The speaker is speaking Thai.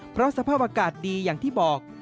เพราะสภาพอากาศดีอย่างที่บอก